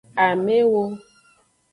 Amewo.